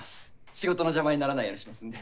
仕事の邪魔にならないようにしますんで。